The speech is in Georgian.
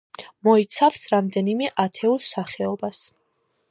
მოიცავს რამდენიმე ათეულ სახეობას.